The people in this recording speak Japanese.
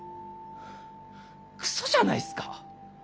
クソじゃないすか？